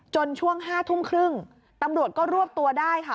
ช่วง๕ทุ่มครึ่งตำรวจก็รวบตัวได้ค่ะ